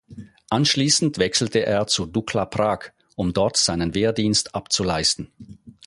Anschließend wechselte er zu Dukla Prag, um dort seinen Wehrdienst abzuleisten.